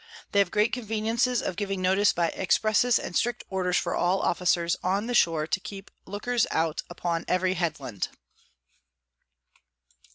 They have great Conveniences of giving notice by Expresses and strict Orders for all Officers on the Shore to keep Lookers out upon every Head Land.